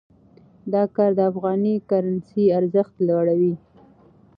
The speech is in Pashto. دا کار د افغاني کرنسۍ ارزښت لوړوي.